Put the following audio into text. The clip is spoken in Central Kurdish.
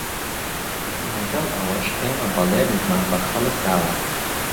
لەگەڵ ئەوەش ئێمە بەڵێنێکمان بە خەڵک داوە